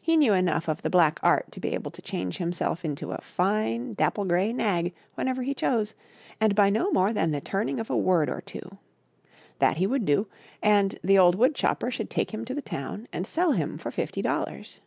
He knew enough of the black art to be able to change himself into a fine, dapple gray nag whenever he chose, and by no more than the turning of a word or two. That he would do, and the old wood chopper should take him to the town and sell him for fifty dollars.